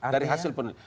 dari hasil penelitian